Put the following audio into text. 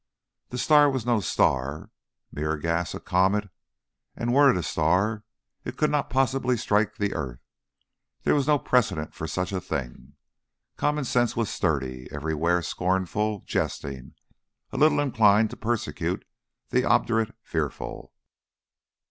The star was no star mere gas a comet; and were it a star it could not possibly strike the earth. There was no precedent for such a thing. Common sense was sturdy everywhere, scornful, jesting, a little inclined to persecute the obdurate fearful.